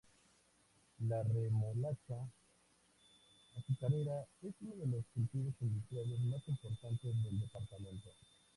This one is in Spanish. La remolacha azucarera es uno de los cultivos industriales más importantes del departamento.